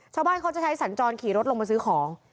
ชาวบ้านเขาจะใช้สัญจรขี่รถลงมาซื้อของ